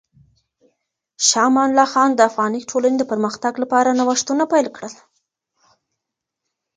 شاه امان الله خان د افغاني ټولنې د پرمختګ لپاره نوښتونه پیل کړل.